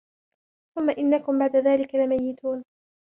ثُمَّ إِنَّكُمْ بَعْدَ ذَلِكَ لَمَيِّتُونَ